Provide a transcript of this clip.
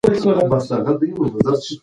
زما په ليدو دي زړګى ولي